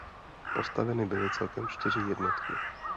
Postaveny byly celkem čtyři jednotky.